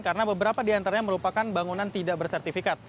karena beberapa di antaranya merupakan bangunan tidak bersertifikat